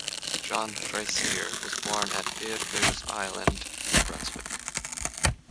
John Fraser was born at Beaubears Island, New Brunswick.